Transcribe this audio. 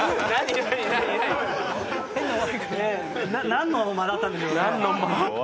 何の間だったんでしょうね？